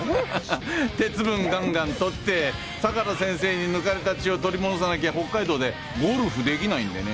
鉄分ガンガン取って相良先生に抜かれた血を取り戻さなきゃ北海道でゴルフ出来ないんでね。